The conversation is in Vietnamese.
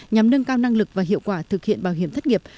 nhằm nâng cao năng lực và hiệu quả thực hiện bảo hiểm thất nghiệp